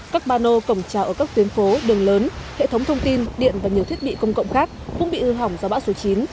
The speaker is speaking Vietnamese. các bà nô cổng trào ở các tuyến phố đường lớn hệ thống thông tin điện và nhiều thiết bị công cộng khác cũng bị hư hỏng do bão số chín